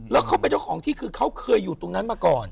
แล้วเขาเป็นเจ้าของที่คือเขาเคยอยู่ตรงนั้นมาก่อน